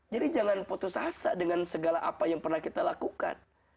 jadi jangan putus asa dengan segala apa yang pernah kita lakukan